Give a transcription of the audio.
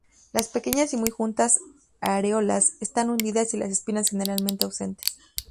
Los pequeñas, y muy juntas areolas están hundidas y las espinas generalmente ausentes.